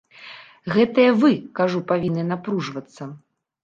Гэтыя вы, кажу, павінны напружвацца.